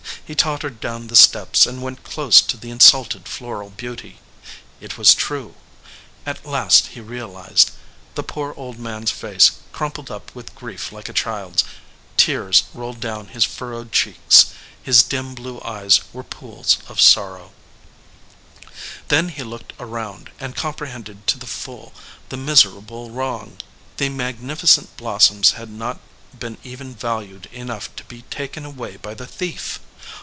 He tottered down the steps, and went close to the insulted floral beauty. It was true. At last, he realized. The poor old man s face crum pled up with grief like a child s. Tears rolled down his furrowed cheeks. His dim blue eyes were pools of sorrow. 106 THE FLOWERING BUSH Then he looked around, and comprehended to the full the miserable wrong. The magnificent blossoms had not been even valued enough to be taken away by the thief.